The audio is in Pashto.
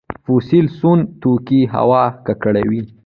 فوسیل سون توکي هوا ککړوي